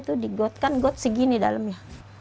itu digot kan got segini dalamnya